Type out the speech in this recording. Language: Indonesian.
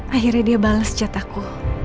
akhirnya dia bales jataku